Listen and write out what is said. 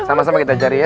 sama sama kita cari ya